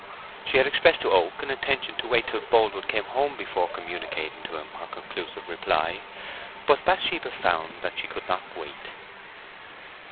She had expressed to Oak an intention to wait till Boldwood came home before communicating to him her conclusive reply. But Bathsheba found that she could not wait.